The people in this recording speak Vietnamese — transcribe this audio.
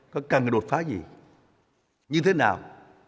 có cần đột phá gì như thế nào